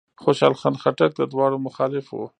خوشحال خان خټک د دواړو مخالف و.